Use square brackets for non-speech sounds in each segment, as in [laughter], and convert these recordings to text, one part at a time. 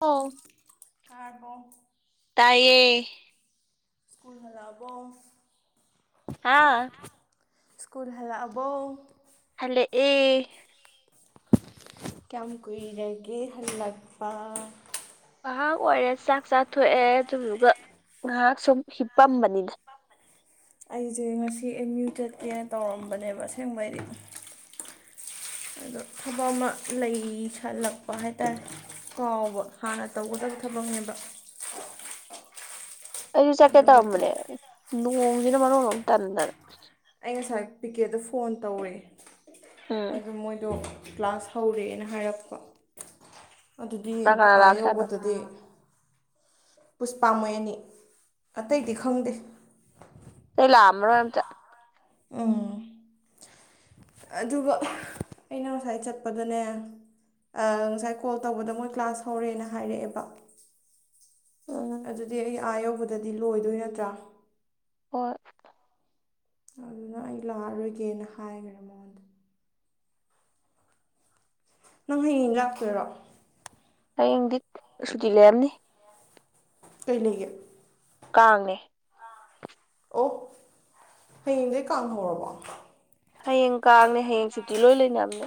ꯑꯣ ꯀꯥꯔꯕꯣ ꯇꯥꯏꯌꯦ ꯁ꯭ꯀꯨꯜ ꯍꯜꯂꯛꯑꯕꯣ ꯍꯥꯥ ꯁ꯭ꯀꯨꯜ ꯍꯂꯛꯑꯕꯣ ꯍꯂꯛꯑꯦ ꯀꯌꯥꯝ ꯀꯨꯏꯔꯒꯦ ꯍꯜꯂꯛꯄ ꯉꯍꯥꯛ ꯑꯣꯏꯔꯦ ꯆꯥꯛ ꯆꯥꯊꯣꯛꯑꯦ ꯑꯗꯨꯗꯨꯒ ꯉꯥꯏꯍꯥꯛ ꯁꯨꯝ ꯍꯤꯞꯄꯝꯕꯅꯤꯗ ꯑꯩꯖꯦ ꯉꯁꯤ ꯑꯦ ꯃ꯭ꯌꯨ ꯆꯠꯀꯦꯅ ꯇꯧꯔꯝꯕꯅꯦꯕ ꯑꯁꯦꯡꯕꯩꯗꯤ ꯑꯗꯣ ꯊꯕꯛ ꯑꯃ ꯂꯩ ꯁꯥꯜꯂꯛꯄ ꯍꯥꯏꯇꯥꯔꯦ ꯀꯥꯎꯕ ꯍꯥꯟꯅ ꯇꯧꯒꯗꯕ ꯊꯕꯛꯅꯦꯕ ꯑꯩꯖꯨ ꯆꯠꯀꯦ ꯑꯗꯨꯒ ꯇꯧꯔꯝꯕꯅꯦ ꯅꯣꯡꯖꯤꯅ ꯃꯔꯣꯟꯃ ꯇꯟꯗꯅ ꯑꯩ ꯉꯁꯥꯏ ꯄꯤꯀꯦꯗ ꯐꯣꯟ ꯇꯧꯔꯦ ꯎꯝ ꯑꯗꯨ ꯃꯣꯏꯗꯣ ꯀ꯭ꯂꯥꯁ ꯍꯧꯔꯦꯅ ꯍꯥꯏꯔꯛꯄ ꯑꯗꯨꯗꯤ ꯀꯅꯥ ꯀꯅꯥ ꯑꯥ ꯂꯥꯛꯁꯥꯅꯣ ꯌꯧꯕꯗꯗꯤ ꯄꯨꯁꯄꯥ ꯃꯣꯏ ꯑꯅꯤ ꯑꯇꯩꯗꯤ ꯈꯪꯗꯦ ꯑꯇꯩ ꯂꯥꯛꯑꯝꯃꯔꯣꯏ ꯑꯝꯇ ꯑꯝ ꯑꯗꯨꯒ ꯑꯩꯅ ꯉꯁꯥꯏ ꯆꯠꯄꯗꯅꯦ ꯉꯁꯥꯏ ꯀꯣꯜ ꯇꯧꯕꯗ ꯃꯣꯏ ꯀ꯭ꯂꯥꯁ ꯍꯧꯔꯦꯅ ꯍꯥꯏꯔꯛꯑꯦꯕ ꯎꯝ ꯑꯗꯨꯗꯤ ꯑꯩ ꯑꯥ ꯌꯧꯕꯗꯗꯤ ꯂꯣꯏꯗꯣꯏ ꯅꯠꯇ꯭ꯔꯥ ꯍꯣꯏ ꯑꯗꯨꯅ ꯑꯩ ꯂꯥꯛꯑꯔꯣꯏꯒꯦꯅ ꯍꯥꯏꯈ꯭ꯔꯦ ꯃ ꯅꯪ ꯍꯌꯦꯡ ꯂꯥꯛꯇꯣꯏꯔꯣ ꯍꯌꯦꯡꯗꯤ ꯁꯨꯇꯤ ꯂꯩꯔꯝꯅꯤ ꯀꯩ ꯂꯩꯌꯦ ꯀꯥꯡꯅꯦ ꯑꯣ ꯍꯌꯦꯡꯗꯩ ꯀꯥꯡꯍꯧꯔꯕꯣ ꯍꯌꯦꯡ ꯀꯥꯡꯅꯦ ꯍꯌꯦꯡ ꯆꯨꯇꯤ ꯂꯣꯢ ꯂꯩꯅꯕꯅꯦ꯫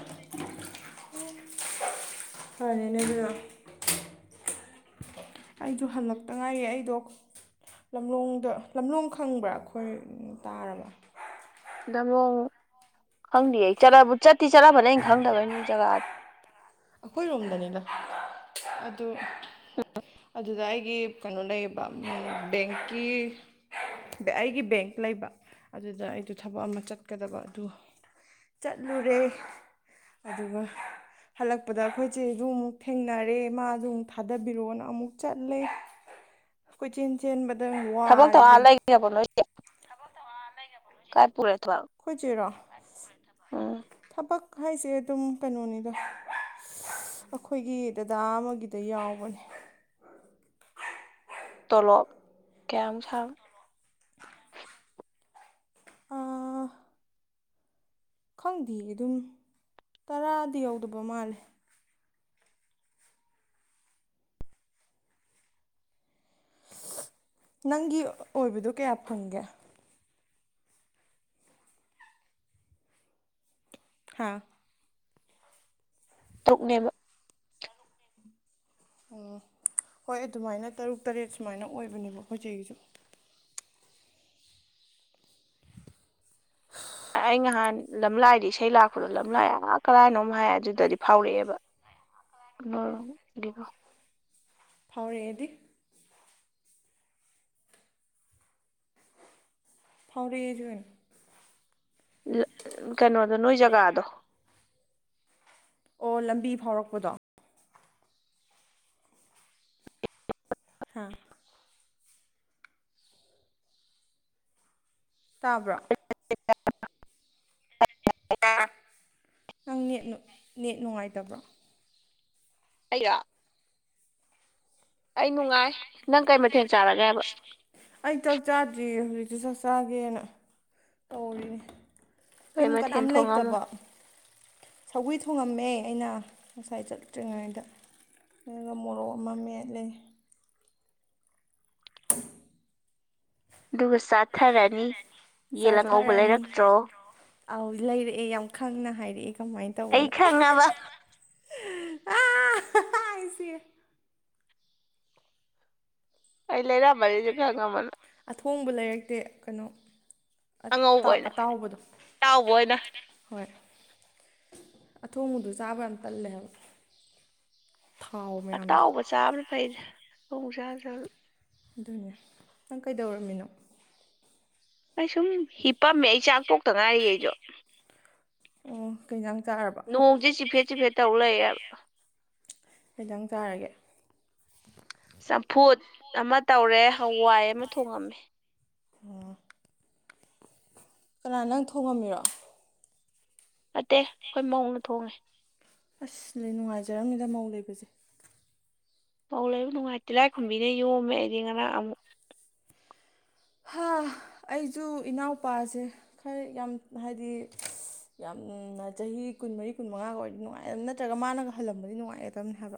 ꯐꯔꯦꯅꯦ ꯑꯗꯨꯗ ꯑꯩꯁꯨꯣ ꯍꯜꯂꯛꯇ ꯉꯥꯏꯌꯦ ꯑꯩꯗꯣ ꯂꯝꯂꯣꯡꯗ ꯂꯝꯂꯣꯡ ꯈꯪꯕ꯭ꯔꯥ ꯑꯩꯈꯣꯏ ꯇꯥꯔꯕ ꯂꯝꯂꯣꯡ ꯈꯪꯗꯦ ꯑꯩꯠ ꯆꯠꯇꯤ ꯆꯠꯂꯕꯅ ꯑꯩꯅ ꯈꯪꯗꯕꯅꯤꯅꯦ ꯖꯒꯥ ꯑꯩꯈꯣꯏ ꯔꯣꯝꯗꯅꯤꯅ ꯑꯗꯨ ꯑꯗꯨꯗ ꯑꯩꯒꯤ ꯀꯩꯅꯣ ꯂꯩꯌꯦꯕ ꯕꯦꯡꯀꯤ ꯑꯩꯒꯤ ꯕꯦꯡ ꯂꯩꯕ ꯑꯗꯨꯗ ꯑꯩꯗꯣ ꯊꯕꯛ ꯑꯃ ꯆꯠꯀꯗꯕ ꯑꯗꯨ ꯆꯠꯂꯨꯔꯦ ꯑꯗꯨꯒ ꯍꯜꯂꯛꯄꯗ ꯑꯩꯈꯣꯏꯁꯦꯁꯨ ꯑꯃꯨꯛ ꯊꯦꯡꯅꯔꯦ ꯃꯥꯁꯨ ꯑꯃꯨꯛ ꯊꯥꯗꯕꯤꯔꯛꯑꯣꯅ ꯑꯃꯨꯛ ꯆꯠꯂꯦ ꯀꯣꯏꯆꯦꯟ ꯆꯦꯟꯕꯗ ꯊꯕꯛ ꯋꯥꯔꯦ ꯇꯧꯔ ꯏꯕꯦꯝ ꯀꯥꯏ ꯄꯨꯔꯦ ꯊꯣ ꯀꯣꯏꯆꯔꯣ ꯄꯛ ꯍꯥꯏꯁꯦ ꯑꯗꯨꯝ ꯀꯩꯅꯣꯅꯤꯗꯣ ꯑꯩꯈꯣꯏꯒꯤ ꯗꯗꯥ ꯑꯃꯒꯤꯗ ꯌꯥꯎꯕꯅꯦ ꯇꯣꯂꯣꯞ ꯀꯌꯥꯃꯨꯛ ꯁꯥꯡ ꯈꯪꯗꯦ ꯑꯗꯨꯝ ꯇꯔꯥꯗꯤ ꯌꯧꯗꯕ ꯃꯥꯜꯂꯦ ꯅꯪꯒꯤ ꯑꯣꯏꯕꯗꯣ ꯀꯌꯥ ꯐꯪꯒꯦ ꯍꯥꯥ ꯇꯔꯨꯛꯅꯦꯕ ꯑꯣ ꯍꯣꯏ ꯑꯗꯨꯃꯥꯏꯅ ꯇꯔꯨꯛ ꯇꯔꯦꯠ ꯁꯨꯃꯥꯏꯅ ꯑꯣꯏꯕꯅꯦꯕ ꯑꯩꯈꯣꯏ ꯆꯦꯒꯤꯁꯨ [inaudible] ꯑꯩ ꯅꯍꯥꯟ ꯂꯝꯂꯥꯏꯗꯤ ꯏꯁꯩ ꯂꯥꯛꯄꯗꯣ ꯂꯝꯂꯥꯏ ꯑ ꯀꯔꯥꯏꯅꯣꯝ ꯍꯥꯏ ꯑꯗꯨꯗꯗꯤ ꯐꯥꯎꯔꯛꯑꯦꯕ ꯍ ꯃꯔ ꯕꯁ ꯐꯥꯎꯔꯛꯑꯦꯗꯤ ꯐꯥꯎꯔꯌꯦ ꯑꯗꯨ ꯀꯩꯅꯣꯗꯣ ꯅꯣꯏ ꯖꯒꯥꯗꯣ ꯑꯣ ꯂꯝꯕꯤ ꯐꯥꯎꯔꯛꯄꯗꯣ ꯑ ꯇꯥꯕ꯭ꯔꯣ [inaudible] ꯅꯪ ꯅꯦꯠ ꯅꯨ ꯅꯦꯠ ꯅꯨꯡꯉꯥꯏꯇꯕ꯭ꯔꯣ ꯑꯩꯔꯣ ꯑꯩ ꯅꯨꯡꯉꯥꯏ ꯅꯪ ꯀꯩ ꯃꯊꯦꯜ ꯆꯥꯔꯒꯦ ꯍꯥꯏꯕ ꯑꯩ ꯆꯥꯛ ꯆꯥꯗ꯭ꯔꯤꯌꯦ ꯍꯧꯖꯤꯛꯁꯨ ꯆꯥꯛ ꯆꯥꯒꯦꯅ ꯇꯧꯔꯤꯅꯦ ꯀꯩ ꯌꯨꯝ ꯀꯅꯥꯝ ꯃꯊꯦꯜ ꯊꯣꯡꯉꯝꯃꯣ ꯂꯩꯇꯕ ꯁꯧꯒ꯭ꯔꯤ ꯊꯣꯡꯉꯝꯃꯦ ꯑꯩꯅ ꯉꯁꯥꯏ ꯆꯠꯇ꯭ꯔꯤꯉꯩꯗ ꯑꯗꯨꯒ ꯃꯣꯔꯣꯛ ꯑꯃ ꯃꯦꯠꯂꯤ ꯑꯗꯨꯒ ꯆꯥꯊꯔꯅꯤ ꯌꯦꯟ ꯑꯉꯧꯕ ꯆꯥꯊꯔꯅꯤ ꯂꯩꯔꯛꯇ꯭ꯔꯣ ꯑꯧ ꯂꯩꯔꯛꯑꯦ ꯌꯥꯝ ꯈꯪꯅ ꯍꯥꯏꯔꯛꯑꯦ ꯀꯃꯥꯏꯅ ꯇꯧꯕꯅꯣ [unintelligible] ꯏꯆꯦ ꯑ ꯂꯩꯔꯝꯅꯤꯁꯨ ꯈ ꯉꯃꯜꯅ ꯑꯊꯣꯡꯕ ꯂꯩꯔꯛꯇꯦ ꯀꯩꯅꯣ ꯑꯠ ꯇꯥ ꯑꯉꯧꯕ ꯑꯣꯏꯅ ꯑꯇꯥꯎꯕꯗꯣ ꯑꯇꯥꯎꯕ ꯑꯣꯏꯅ ꯍꯣꯏ ꯑꯊꯣꯡꯕꯗꯨ ꯆꯥꯕꯅ ꯇꯜꯂꯦꯕ ꯊꯥꯎ ꯃ ꯑꯗ ꯑꯇꯥꯎꯕ ꯆꯥꯕꯅ ꯐꯩꯗ ꯈꯨꯣꯡ ꯆꯥꯖꯕ ꯑꯗꯨꯅꯦ ꯅꯪ ꯀꯩꯗꯧꯔꯝꯃꯤꯅꯣ ꯑꯩ ꯁꯨꯝ ꯍꯤꯄꯝꯃꯦ ꯑꯩ ꯆꯥꯛ ꯇꯣꯛꯇ ꯉꯥꯏꯔꯤ ꯑꯩꯖꯨ ꯑꯣ ꯀꯩꯖꯥꯡ ꯆꯥꯔꯕ ꯅꯣꯡꯖꯦ ꯆꯤꯐꯦꯠ ꯆꯤꯐꯦꯠ ꯇꯧ ꯂꯩꯔꯦ ꯍꯥꯢꯕ ꯈꯤꯇꯪ ꯆꯥꯔꯒꯦ ꯆꯝꯐꯨꯠ ꯑꯃ ꯇꯧꯔꯦ ꯍꯋꯥꯏ ꯑꯃ ꯊꯣꯡꯉꯝꯃꯦ ꯑꯣ ꯀꯅꯥ ꯅꯪ ꯊꯣꯡꯉꯝꯃꯤꯔꯣ ꯅꯠꯇꯦ ꯑꯩꯈꯣꯏ ꯃꯧꯅ ꯊꯣꯡꯉꯦ ꯑꯁ ꯂꯩ ꯅꯨꯡꯉꯥꯏꯖꯔꯝꯃꯤꯗ ꯃꯧ ꯂꯩꯕꯁꯦ ꯄꯧ ꯂꯩꯕ ꯅꯨꯡꯉꯥꯏꯇꯤꯂꯥꯏꯈꯨꯝꯕꯤꯅ ꯌꯣꯝꯃꯦ ꯑꯩꯗꯤ ꯉꯔꯥꯡ ꯑꯃꯨꯛ ꯍꯥ ꯑꯩꯖꯨ ꯏꯅꯥꯎꯄꯥꯁꯦ ꯈꯔ ꯌꯥꯝ ꯍꯥꯏꯗꯤ ꯌꯥꯝꯅ ꯆꯍꯤ ꯀꯨꯟꯃꯔꯤ ꯀꯨꯟꯃꯉꯥꯒ ꯑꯣꯏꯔꯗꯤ ꯅꯨꯡꯉꯥꯏꯒꯗꯕ ꯅꯠꯇ꯭ꯔꯒ ꯃꯥꯅꯒ ꯍꯜꯂꯝꯃꯗꯤ ꯅꯨꯡꯉꯥꯏꯒꯗꯕꯅꯧ ꯍꯥꯏꯕ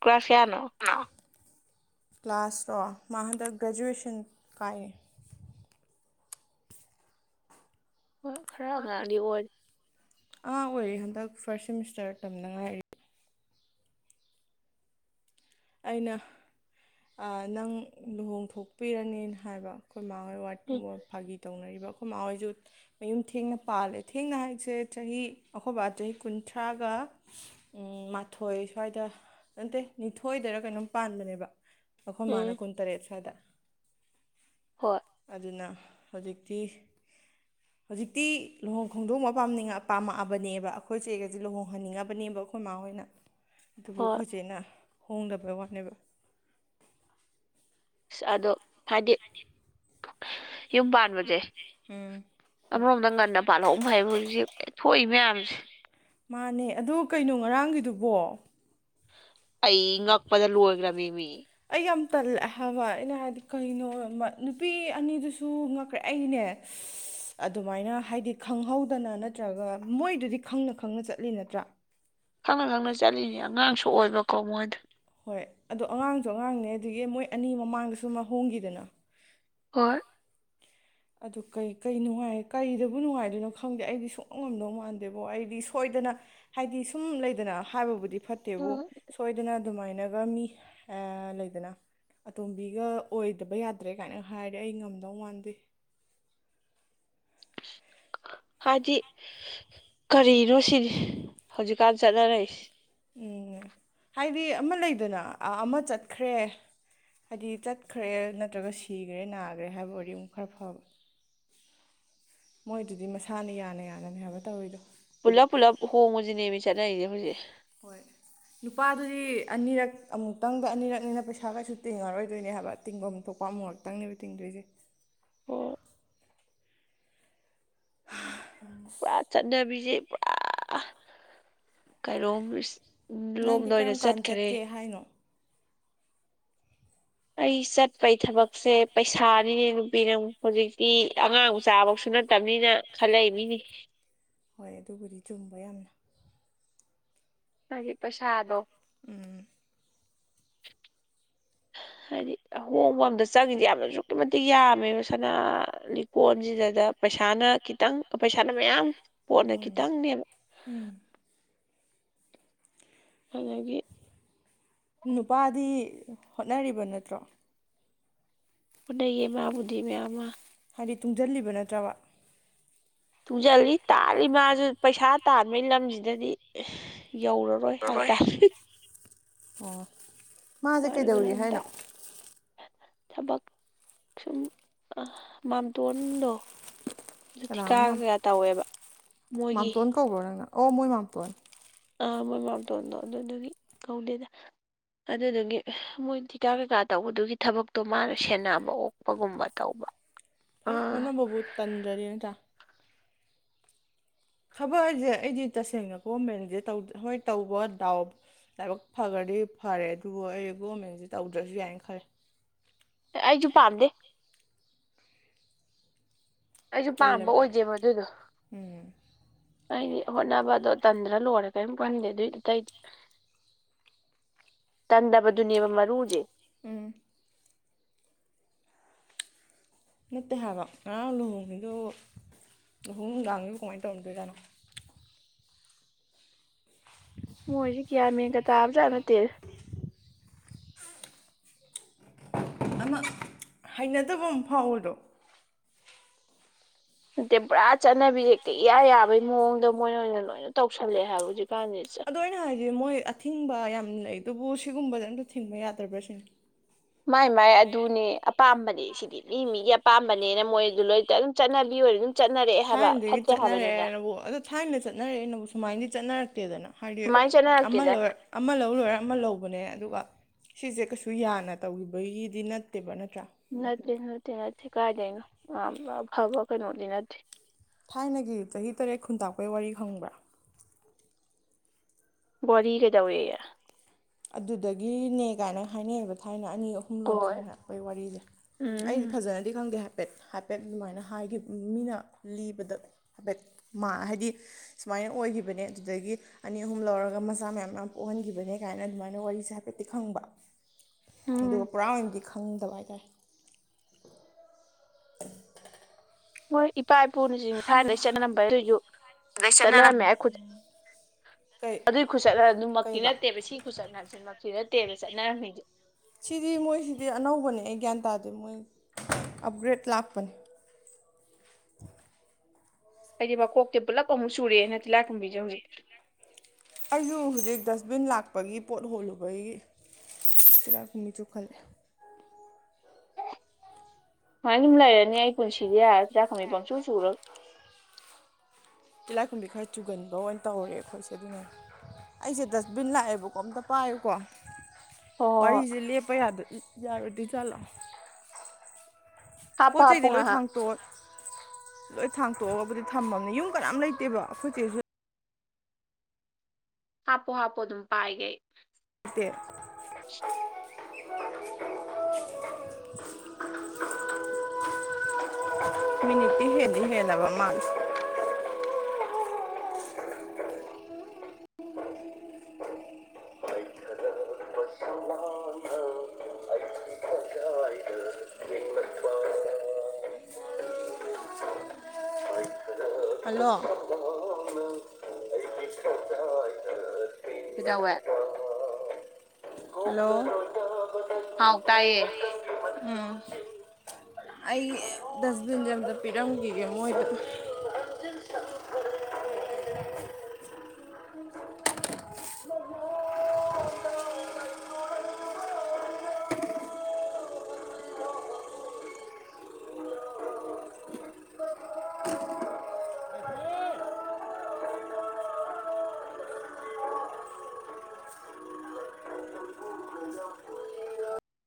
ꯀ꯭ꯔꯥꯐꯤꯌꯥꯥꯟ ꯀ꯭ꯂꯥꯁꯔꯣ ꯃꯥ ꯍꯟꯗꯛ ꯒ꯭ꯔꯦꯖꯨꯑꯦꯁꯟ ꯀꯥꯏꯑ [unintelligible] ꯑꯉꯥꯡ ꯑꯣꯏꯔꯦ ꯍꯟꯗꯛ ꯐꯥꯔꯁ ꯁꯦꯃꯤꯁꯇꯔ ꯇꯝꯗ ꯉꯥꯏꯔꯤ ꯑꯩꯅ ꯑ ꯅꯪ ꯂꯨꯍꯣꯡꯊꯣꯛꯄꯤꯔꯅꯤ ꯍꯥꯏꯕ ꯑꯩꯈꯣꯏ ꯎꯝ ꯃꯥꯥꯍꯣꯏ ꯐꯥꯒꯤ ꯇꯧꯅꯔꯤꯕ ꯑꯩꯈꯣꯏ ꯃꯥꯥꯍꯣꯏꯁꯨ ꯃꯌꯨꯝ ꯊꯦꯡꯅ ꯄꯥꯜꯂꯦ ꯊꯦꯡꯅ ꯍꯥꯏꯁꯦ ꯆꯍꯤ ꯑꯍꯕ ꯆꯍꯤ ꯀꯨꯟꯊ꯭ꯔꯥꯒ ꯎ ꯃꯥꯊꯣꯏ ꯁ꯭ꯋꯥꯏꯗ ꯅꯠꯇꯦ ꯅꯤꯊꯣ ꯊꯣꯏꯗꯔ ꯀꯩꯅꯣꯝ ꯄꯥꯟꯕꯅꯦꯕ ꯑꯩꯈꯣꯏ ꯎꯝ ꯃꯥꯅ ꯀꯨꯟꯇꯔꯦꯠ ꯁ꯭ꯋꯥꯏꯗ ꯍꯣꯏ ꯑꯗꯨꯅ ꯍꯧꯖꯤꯛꯇꯤ ꯍꯧꯖꯤꯛꯇꯤ ꯂꯨꯍꯣꯡ ꯈꯣꯡꯗꯣꯡꯕ ꯄꯥꯝꯅꯤꯡꯉ ꯄꯥꯝꯃꯛꯑꯕꯅꯦꯕ ꯑꯩꯈꯣꯏ ꯆꯦꯒꯁꯦ ꯂꯨꯍꯣꯡꯍꯟꯅꯤꯡꯉꯕꯅꯦꯕ ꯑꯩꯈꯣꯏ ꯏꯃꯥ ꯍꯣꯏꯅ ꯑꯗꯨꯕꯨ ꯍꯣꯏ ꯑꯩꯈꯣꯏꯁꯦꯅ ꯍꯣꯡꯗꯕꯩ ꯋꯥꯅꯦꯕ ꯑꯗꯣ ꯍꯥꯢꯗꯤ ꯌꯨꯝ ꯄꯕꯖꯦ ꯍꯨꯝ ꯑꯃꯔꯣꯝꯗ ꯉꯟꯅ ꯄꯥꯜꯂꯛꯎ ꯍꯥꯏꯕ ꯍꯧꯖꯤꯛ ꯊꯣꯛꯏ ꯃꯌꯥꯝꯁꯦ ꯃꯥꯅꯦ ꯑꯗꯨ ꯀꯩꯅꯣ ꯉꯔꯥꯡꯒꯤꯗꯨꯕꯣ ꯑꯩ ꯉꯛꯄꯗ ꯂꯣꯏꯒ꯭ꯔꯃꯦ ꯃꯤ ꯑꯩ ꯌꯥꯝ ꯇꯜꯂꯦ ꯍꯥꯏꯕ ꯑꯩꯅ ꯍꯥꯏꯗꯤ ꯀꯩꯅꯣ ꯑ ꯃ ꯅꯨꯄꯤ ꯑꯅꯤꯗꯨꯁꯨ ꯉꯛꯈ꯭ꯔꯦ ꯑꯩꯗꯤꯅꯦ [inaudible] ꯑꯗꯨꯃꯥꯢꯅ ꯍꯥꯢꯗꯤ ꯈꯪꯍꯧꯗꯅ ꯅꯠꯇ꯭ꯔꯒ ꯃꯣꯢꯗꯨꯗꯤ ꯈꯪꯅ ꯈꯪꯅ ꯆꯠꯂꯤ ꯅꯠꯇ꯭ꯔꯥ꯫ ꯈꯪꯅ ꯈꯪꯅ ꯆꯠꯂꯤꯅꯤ ꯑꯉꯥꯡꯁꯨ ꯑꯣꯢꯕꯀꯣ ꯃꯣꯢꯗ ꯍꯣꯢ ꯑꯗꯣ ꯑꯉꯥꯡꯖꯨ ꯑꯉꯥꯡꯅꯦ ꯑꯗꯗꯒꯤ ꯃꯣꯢ ꯑꯅꯤ ꯃꯃꯥꯡꯗꯁꯨ ꯑꯃ ꯍꯣꯡꯒꯤꯗꯅ꯫ ꯍꯣꯢ ꯑꯗꯨ ꯀꯩ ꯀꯩ ꯅꯨꯡꯉꯥꯏ ꯀꯩꯗꯕꯨ ꯅꯨꯡꯉꯥꯏꯗꯣꯏꯅꯣ ꯈꯪꯗꯦ ꯑꯩꯗꯤ ꯁꯨꯡꯉꯝ ꯉꯝꯗꯧ ꯃꯥꯟꯗꯦꯕꯣ ꯑꯩꯗꯤ ꯁꯣꯏꯗꯅ ꯍꯥꯏꯗꯤ ꯁꯨꯝ ꯂꯩꯗꯅ ꯍꯥꯏꯕꯕꯨꯗꯤ ꯐꯠꯇꯦꯕꯨ ꯁꯣꯏꯗꯅ ꯑꯗꯨꯃꯥꯏꯅꯒ ꯃꯤ ꯑ ꯂꯩꯗꯅ ꯑꯇꯣꯝꯕꯤꯒ ꯑꯣꯏꯗꯕ ꯌꯥꯗ꯭ꯔꯦ ꯀꯥꯏꯅ ꯍꯥꯏꯔꯦ ꯑꯩ ꯉꯝꯗꯧ ꯃꯥꯟꯗꯦ ꯍꯥꯏꯗꯤ ꯀꯔꯤꯅꯣ ꯁꯤꯅꯤ ꯍꯧꯖꯤꯛꯀꯥꯟ ꯆꯠꯅꯔꯛꯏꯁꯤ ꯎꯝ ꯍꯥꯢꯗꯤ ꯑꯃ ꯂꯩꯗꯅ ꯑ-ꯑꯃ ꯆꯠꯈ꯭ꯔꯦ ꯍꯥꯏꯗꯤ ꯆꯠꯈ꯭ꯔꯦ ꯅꯠꯇ꯭ꯔꯒ ꯁꯤꯒ꯭ꯔꯦ ꯅꯥꯒ꯭ꯔꯦ ꯍꯥꯏꯕ ꯑꯣꯏꯔꯗꯤ ꯑꯃꯨꯛ ꯈꯔ ꯐꯕ ꯃꯣꯢꯗꯨꯗꯤ ꯃꯁꯥꯅ ꯌꯥꯅ ꯌꯥꯅꯅꯦ ꯍꯥꯢꯕ ꯇꯧꯔꯤꯗꯣ꯫ ꯄꯨꯜꯂꯞ ꯄꯨꯜꯂꯞ ꯍꯣꯡꯕꯖꯤꯅꯦꯃꯤ ꯆꯠꯅꯩꯖꯦ ꯍꯧꯖꯤꯛ꯫ ꯍꯣꯏ ꯅꯨꯄꯥꯗꯨꯗꯤ ꯑꯅꯤꯔꯛ ꯑꯃꯨꯛꯇꯪꯗ ꯑꯅꯤꯔꯛꯅꯤꯅ ꯄꯩꯁꯥ ꯀꯩꯁꯨ ꯇꯤꯡꯉꯔꯣꯢꯗꯣꯢꯅꯦ ꯍꯥꯢꯕ ꯇꯤꯡꯕꯝ ꯊꯣꯛꯄ ꯑꯃꯨꯔꯛ ꯇꯪꯅꯦꯕ ꯇꯤꯡꯗꯣꯢꯖꯦ [unintelligible] ꯍꯥ ꯄꯨꯔꯥ ꯆꯠꯅꯕꯤꯁꯦ ꯄꯨꯔꯥ ꯀꯩꯅꯣꯝꯃ ꯎ ꯅꯪꯗꯤ ꯂꯣꯝꯗ ꯑꯣꯏꯅ ꯀꯔꯝ ꯀꯥꯟ ꯆꯠꯈꯔꯦ ꯆꯠꯀꯦ ꯍꯥꯏꯅꯣ ꯑꯩ ꯆꯠꯄꯩ ꯊꯕꯛꯁꯦ ꯄꯩꯁꯥꯅꯤꯅꯦ ꯅꯨꯄꯤ ꯅꯪꯕꯨ ꯍꯧꯖꯤꯛꯇꯤ ꯑꯉꯥꯡ ꯃꯆꯥ ꯃꯛꯁꯨ ꯅꯠ ꯐꯦꯝꯂꯤꯅ ꯈꯜꯂꯛꯏ ꯃꯤꯅꯤ ꯍꯣꯢ ꯑꯗꯨꯕꯨꯗꯤ ꯆꯨꯝꯕ ꯌꯥꯝꯅ ꯑꯩ ꯄꯩꯁꯥꯗꯣ ꯎꯝ ꯍꯥꯢꯗꯤ ꯑꯍꯣꯡꯕ ꯑꯝꯗ ꯆꯪꯉꯤꯖꯦ ꯌꯥꯝꯅꯁꯨ ꯑꯗꯨꯛꯀꯤ ꯃꯇꯤꯛ ꯌꯥꯝꯃꯦꯕ ꯁꯅꯥ ꯂꯤꯀꯣꯟꯁꯤꯗ ꯄꯩꯁꯥꯅ ꯈꯤꯇꯪ ꯄꯩꯁꯥꯅ ꯃꯌꯥꯝ ꯄꯣꯠꯅ ꯈꯤꯇꯪꯅꯦꯕ ꯎꯝ [inaudible] ꯅꯨꯄꯥꯗꯤ ꯍꯣꯠꯅꯔꯤꯕ ꯅꯠꯇ꯭ꯔꯣ ꯍꯣꯠꯅꯩꯌꯦ ꯃꯥꯕꯨꯗꯤꯃꯦ ꯃꯌꯥꯝꯃ꯫ ꯍꯥꯢꯗꯤ ꯇꯨꯡꯖꯜꯂꯤꯕ ꯅꯠꯇ꯭ꯔꯕ ꯇꯨꯡꯖꯜꯂꯤ ꯇꯥꯜꯂꯤ ꯃꯥꯖꯨ ꯄꯩꯁꯥ ꯇꯥꯟꯕꯒꯤ ꯂꯝꯖꯤꯗꯗꯤ ꯌꯧꯔꯔꯣꯏ ꯄ꯭ꯔꯔꯣꯢ ꯍꯥꯏꯇꯥꯔꯦ ꯑꯣ ꯃꯥꯁꯦ ꯃꯔꯕ ꯀꯩꯗꯧꯔꯤ ꯅꯗ ꯍꯥꯏꯅꯣ ꯊꯕꯛ ꯁꯨꯝ ꯃꯥꯝꯇꯣꯟꯗꯣ ꯑꯗꯨ ꯀꯅꯥꯅꯣ ꯊꯤꯀꯥꯒ ꯀꯌꯥ ꯇꯧꯋꯦꯕ ꯃꯣꯏꯒꯤ ꯀꯧꯕꯔꯣ ꯅꯪꯅ ꯑꯣ ꯃꯣꯏ ꯃꯥꯝꯇꯣꯟ ꯑꯥ ꯃꯣꯏ ꯃꯥꯝꯇꯣꯟꯗꯣ ꯑꯗꯨꯗꯨꯒꯤ ꯀꯧꯗꯦꯗ ꯑꯗꯨꯗꯨꯒꯤ ꯃꯣꯏ ꯊꯤꯀꯥ ꯀꯩꯀꯥ ꯇꯧꯕꯗꯨꯒꯤ ꯊꯕꯛꯇꯣ ꯃꯥꯅ ꯁꯦꯟꯅꯕ ꯑꯣꯛꯄꯒꯨꯝꯕ ꯇꯧꯕ ꯑꯩ ꯑꯥ ꯍꯣꯠꯅꯕꯕꯨ ꯇꯥꯟꯗ꯭ꯔꯗꯤ ꯅꯠꯇ꯭ꯔꯥ ꯊꯕꯛ ꯍꯥꯢꯖꯦ ꯑꯩꯗꯤ ꯇꯁꯦꯡꯅ ꯒꯣꯃꯦꯟꯖꯦ ꯇꯧꯗ ꯍꯣꯢ ꯇꯧꯕ ꯗꯥꯎ ꯂꯥꯢꯕꯛ ꯐꯥꯒ꯭ꯔꯗꯤ ꯐꯥꯔꯦ ꯑꯗꯨꯕꯨ ꯑꯩ ꯒꯣꯃꯦꯟꯖꯦ ꯇꯧꯗ꯭ꯔꯖꯨ ꯌꯥꯢꯅ ꯈꯜꯂꯦ꯫ ꯑꯩꯁꯨ ꯄꯥꯗ ꯑꯩꯖꯨ ꯄꯥꯝꯕ ꯇꯜꯂꯦꯕ ꯑꯣꯢꯗꯦ ꯃꯗꯨꯗꯣ꯫ ꯎꯝ ꯑꯩꯗꯤ ꯍꯣꯠꯅꯕꯗꯣ ꯇꯟꯗ꯭ꯔ ꯂꯣꯏꯔꯦ ꯀꯔꯤꯝ ꯈꯟꯗꯦ ꯑꯗꯨꯏ ꯑꯇꯩꯗꯤ ꯇꯟꯗꯕꯗꯨꯅꯦꯕ ꯃꯔꯨꯖꯦ ꯎꯝ ꯅꯠꯇꯦ ꯍꯥꯢꯕ ꯉꯔꯥꯡ ꯂꯨꯍꯣꯡꯉꯤꯗꯨꯕꯨ ꯂꯨꯍꯣꯡ ꯅꯨꯡꯗꯥꯥꯡꯗꯨꯕꯨ ꯀꯃꯥꯢ ꯇꯧꯔꯝꯗꯣꯢꯖꯥꯠꯅꯣ꯫ ꯃꯣꯢꯖꯦ ꯒ꯭ꯌꯥꯟ ꯃꯦꯟꯒ ꯇꯥꯕꯖꯥꯠ ꯅꯠꯇꯦ꯫ ꯑꯃ ꯍꯩꯅꯗꯕ ꯑꯃ ꯐꯥꯎꯕꯗꯣ ꯅꯠꯇꯦ ꯄꯨꯔꯥ ꯆꯠꯅꯕꯤꯖꯦ ꯍꯦꯛꯇ ꯏꯌꯥ ꯌꯥꯕꯒꯤ ꯃꯑꯣꯡꯗ ꯃꯣꯢꯅ ꯑꯣꯢꯅ ꯂꯣꯢꯅ ꯇꯧꯁꯜꯂꯛꯑꯦ ꯍꯥꯏꯕ ꯍꯧꯖꯤꯛꯀꯥꯟꯖꯦ ꯆ ꯑꯗꯣ ꯑꯩꯅ ꯍꯥꯢꯗꯤ ꯃꯣꯢ ꯑꯊꯤꯡꯕ ꯌꯥꯝ ꯂꯩꯗꯨꯕꯨ ꯁꯤꯒꯨꯝꯕꯗ ꯑꯝꯇ ꯊꯤꯡꯕ ꯌꯥꯗ꯭ꯔꯕ꯭ꯔ ꯁꯤꯅꯤ꯫ ꯃꯥꯏ ꯃꯥꯏ ꯑꯗꯨꯅꯦ ꯑꯄꯥꯝꯕꯅꯦ ꯁꯤ ꯗꯤ ꯃꯤ ꯃꯤꯒꯤ ꯑꯄꯥꯝꯕꯅꯦꯅ ꯃꯣꯏꯖꯨ ꯂꯣꯏ [unintelligible] ꯆꯠꯅꯕꯤ ꯑꯣꯏꯔ ꯑꯗꯨꯝ ꯆꯠꯅꯔꯛꯑꯦ ꯍꯥꯏꯕ ꯐꯠꯇꯦ ꯍꯥꯏꯕꯅꯤꯗ ꯊꯥꯢꯅ ꯆꯠꯅꯔꯦꯑꯦꯅꯕꯨ ꯁꯨꯃꯥꯢꯅꯗꯤ ꯆꯠꯅꯔꯛꯇꯦꯗꯅ ꯍꯥꯢꯗꯤ ꯁꯨꯃꯥꯏꯅ ꯑꯃ ꯆꯠꯅꯔꯛꯇꯦꯗ ꯂꯣꯢ꯫ ꯑꯃ ꯂꯧ ꯂꯣꯏꯔ ꯑꯃ ꯂꯧꯕꯅꯦ ꯑꯗꯨꯒ ꯁꯤꯁꯦ ꯀꯩꯁꯨ ꯌꯥꯅ ꯇꯧꯒꯤꯕꯩꯒꯤꯗꯤ ꯅꯠꯇꯦꯕ ꯅꯠꯇ꯭ꯔꯥ ꯅꯠꯇꯦ ꯅꯠꯇꯦ ꯅꯠꯇꯦ ꯀꯥꯏꯗꯩꯅꯣ ꯌꯥꯝꯅ ꯑꯐꯕ ꯀꯩꯅꯣꯗꯤ ꯅꯠꯇꯦ ꯊꯥꯏꯅꯒꯤ ꯆꯍꯤ ꯇꯔꯦꯠ ꯈꯨꯟꯇꯥꯛꯄꯩ ꯋꯥꯔꯤ ꯈꯪꯕ꯭ꯔꯥ ꯋꯥꯔꯤ ꯀꯩꯗꯧꯋꯦꯌꯦ ꯑꯗꯨꯗꯒꯤꯅꯦ ꯒꯥꯏꯅ ꯍꯥꯏꯅꯩꯑꯦꯕ ꯊꯥꯏꯅ ꯑꯅꯤ ꯑꯍꯨ ꯍꯨꯝ ꯂꯣꯟ ꯍꯣꯏ ꯈꯟꯅꯔꯛꯄꯩ ꯋꯥꯔꯤꯖꯦ ꯑꯩꯗꯤ ꯎꯝ ꯐꯖꯅꯗꯤ ꯈꯪꯗꯦ ꯍꯥꯢ ꯄꯦꯠ ꯍꯥꯢꯄꯦꯠ ꯑꯗꯨꯃꯥꯢꯅ ꯍꯥꯢꯒꯤ ꯃꯤꯅ ꯂꯤꯕꯗ ꯍꯄꯦꯠ ꯃꯥ ꯍꯥꯢꯗꯤ ꯁꯨꯃꯥꯏꯅ ꯑꯣꯏꯒꯤꯕꯅꯦ ꯑꯗꯨꯗꯒꯤ ꯑꯅꯤ ꯑꯍꯨꯝ ꯂꯧꯔꯒ ꯃꯆꯥ ꯃꯌꯥꯝ ꯃꯌꯥꯝ ꯄꯣꯛꯍꯟꯒꯤꯕꯅꯦ ꯗꯥꯏꯅ ꯑꯗꯨꯃꯥꯏꯅ ꯋꯥꯔꯤꯁꯦ ꯍꯥꯏꯐꯦꯠꯇꯤ ꯈꯪꯕ ꯑꯗꯨꯒ ꯎꯝ ꯄꯨꯔꯥ ꯑꯣꯏꯅꯗꯤ ꯈꯪꯗꯕ ꯍꯥꯏꯇꯥꯔꯦ [inaudible] ꯃꯣꯏ ꯏꯄꯥ ꯏꯄꯨꯅꯆꯤꯡ ꯊꯥꯏꯅꯩ ꯆꯠꯅꯔꯝꯕ ꯑꯗꯨꯏꯖꯨ ꯆꯠꯅꯔꯝꯃꯦ ꯑꯩ ꯈꯨꯠ ꯀꯩ ꯑꯗꯨꯏ ꯈꯨꯆꯠꯅ ꯑꯗꯨꯃꯛꯇꯤ ꯀꯩꯕ ꯅꯠꯇꯦꯕ ꯁꯤ ꯈꯨꯆꯠꯅꯁꯤꯃꯛꯇꯤ ꯅꯠꯇꯦꯕ ꯆꯠꯅꯔꯝꯃꯤꯖꯦ ꯁꯤꯗꯤ ꯃꯣꯢꯖꯤꯗꯤ ꯑꯅꯧꯕꯅꯦ ꯑꯩ ꯒ꯭ꯌꯥꯟ ꯇꯥꯗꯦ ꯃꯣꯢ ꯑꯞꯒ꯭ꯔꯦꯠ ꯂꯥꯛꯄꯅꯦ [inaudible] ꯑꯩꯗꯤ ꯃꯀꯣꯛꯇꯩ ꯄꯨꯂꯞ ꯑꯃꯨꯛ ꯆꯨꯔꯦꯅꯦ ꯇꯤꯂꯥꯢꯈꯨꯝꯕꯤꯖꯦ ꯍꯧꯖꯤꯛ ꯑꯩꯖꯨ ꯍꯧꯖꯤꯛ ꯗꯁꯕꯤꯟ ꯂꯥꯛꯄꯒꯤ ꯄꯣꯠ ꯍꯣꯜꯂꯨꯕꯩꯒꯤ ꯇꯤꯜꯂꯥꯢꯈꯨꯝꯕꯤ ꯆꯨꯈꯠꯂꯛꯑꯦ ꯁꯨꯃꯥꯏ ꯁꯨꯝ ꯂꯩꯔꯅꯤ ꯑꯩ ꯄꯨꯟꯁꯤꯗꯤ ꯌꯥꯔꯣꯏ ꯇꯤꯂꯥꯏꯈꯨꯝꯕꯤ ꯄꯪꯆꯨ ꯆꯨꯔꯒ ꯇꯤꯂꯥꯏꯈꯨꯝꯕꯤ ꯈꯔ ꯆꯨꯒꯟꯕ ꯑꯣꯏꯅ ꯇꯧꯔꯦ ꯑꯩꯈꯣꯏꯁꯦ ꯑꯗꯨꯅꯅꯦ ꯑꯩꯖꯦ ꯗꯁꯕꯤꯟ ꯂꯥꯛꯑꯦꯕꯀꯣ ꯑꯝꯇ ꯄꯥꯢꯌꯨꯀꯣ ꯍꯣꯏ ꯍꯣꯏ ꯍꯣꯏ ꯋꯥꯔꯤꯖꯦ ꯂꯦꯞꯄ ꯌꯥꯗ ꯌꯥꯔꯣꯏꯗꯔꯤ ꯆꯠꯂꯣ ꯍꯥꯞꯄꯣ ꯄꯣꯠ ꯍꯥꯞꯄꯣ ꯆꯩꯖꯦ ꯂꯣꯢ ꯉꯥꯏꯍꯥꯛ ꯊꯥꯡꯗꯣꯛꯑꯣ ꯂꯣꯏ ꯊꯥꯡꯇꯣꯛꯑꯒꯕꯨꯗꯤ ꯊꯝꯃꯝꯅꯦ ꯌꯨꯝ ꯀꯅꯥꯝ ꯂꯩꯇꯦꯕ ꯑꯩꯈꯣꯏ ꯆꯦꯖꯨ ꯍꯥꯞꯄꯣ ꯍꯥꯞꯄꯣ ꯑꯗꯨꯝ ꯄꯥꯢꯒꯦ ꯑꯩ ꯇꯦ ꯃꯤꯅꯤꯠꯇꯤ ꯍꯦꯟꯗꯤ ꯍꯦꯟꯂꯕ ꯃꯥꯥꯜꯂꯦ ꯍꯜꯂꯣ ꯍꯜꯂꯣ ꯀꯩꯗꯧꯋꯦ ꯍꯜꯂꯣ ꯍꯥꯎ ꯇꯥꯢꯌꯦ ꯎꯝ ꯑꯩ ꯗꯁꯕꯤꯟꯁꯦ ꯑꯝꯇ ꯄꯤꯔꯝꯒꯤꯒꯦ ꯃꯣꯏꯗ